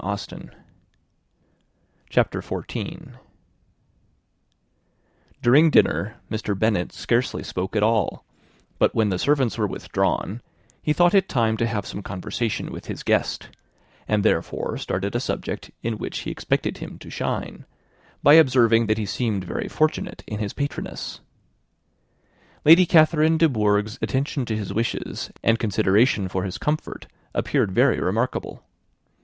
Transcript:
CHAPTER XIV During dinner, Mr. Bennet scarcely spoke at all; but when the servants were withdrawn, he thought it time to have some conversation with his guest, and therefore started a subject in which he expected him to shine, by observing that he seemed very fortunate in his patroness. Lady Catherine de Bourgh's attention to his wishes, and consideration for his comfort, appeared very remarkable.